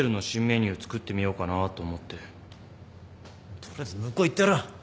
取りあえず向こう行ってろ。